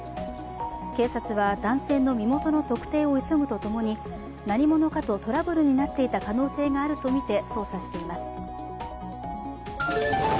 警察は男性の身元の特定を急ぐとともに何者かとトラブルになっていた可能性があるとみて捜査しています。